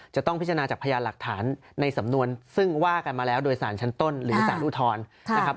จะต้องพิจารณาจากพยานหลักฐานในสำนวนซึ่งว่ากันมาแล้วโดยสารชั้นต้นหรือสารอุทธรณ์นะครับ